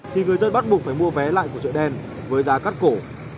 thì người dân bắt buộc phải mua vé lại của chợ đen với giá cắt cổ